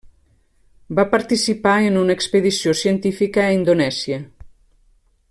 Va participar en una expedició científica a Indonèsia.